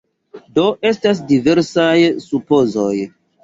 Do estas diversaj supozoj.